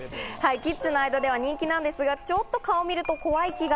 キッズの間では人気なんですが、ちょっと顔を見ると怖い気が。